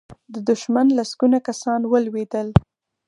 د دښمن لسګونه کسان ولوېدل.